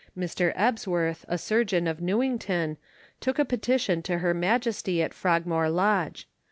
Mr. Ebsworth, a surgeon, of Newington, took a petition to her Majesty at Frogmore Lodge.